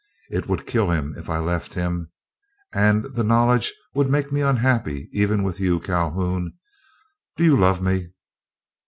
It would kill him if I left him, and the knowledge would make me unhappy, even with you. Calhoun, do you love me?"